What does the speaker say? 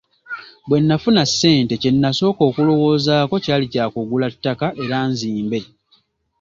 Bwe nafuna ssente, kye nasooka okulowoozaako kyali kya kugula ttaka era nzimbe.